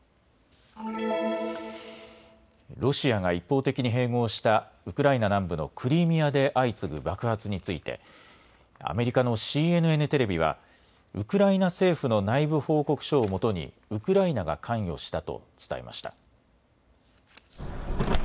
ロシアが一方的に併合したウクライナ南部のクリミアで相次ぐ爆発についてアメリカのＣＮＮテレビはウクライナ政府の内部報告書をもとにウクライナが関与したと伝えました。